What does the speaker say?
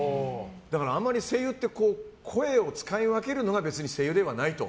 あんまり声優って声を使い分けるのが声優ではないと。